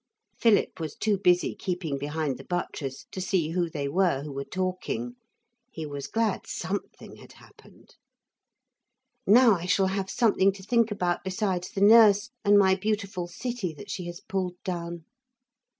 Philip was too busy keeping behind the buttress to see who they were who were talking. He was glad something had happened. 'Now I shall have something to think about besides the nurse and my beautiful city that she has pulled down.'